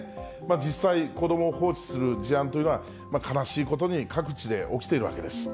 実際、子どもを放置する事案というのは、悲しいことに各地で起きているわけです。